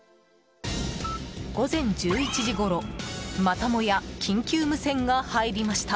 午前１１時ごろ、またもや緊急無線が入りました。